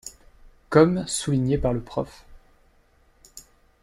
Comme souligné par le Prof.